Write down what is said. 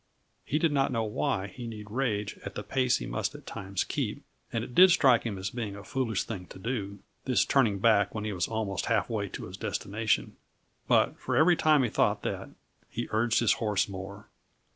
He did not know why he need rage at the pace he must at times keep, and it did strike him as being a foolish thing to do this turning back when he was almost halfway to his destination; but for every time he thought that, he urged his horse more.